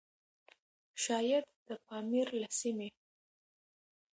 شايد د پامير له سيمې؛